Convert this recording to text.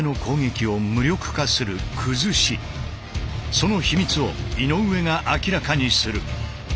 その秘密を井上が明らかにする。